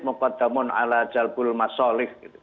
mokaddamun ala jalbul masyolih